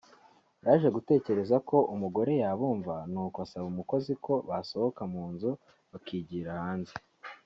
yaje gutekereza ko umugore yabumva n’uko asaba umukozi ko basohoka mu nzu bakigira hanze